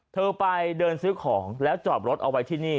เธอไปเดินซื้อของแล้วจอดรถเอาไว้ที่นี่